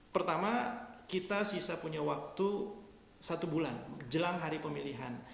pertama kita sisa punya waktu satu bulan jelang hari pemilihan